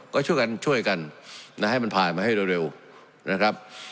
ก็ช่วยกันช่วยกันนะให้มันผ่านมาให้เร็วนะครับ